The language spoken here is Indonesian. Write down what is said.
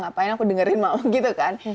ngapain aku dengerin mau gitu kan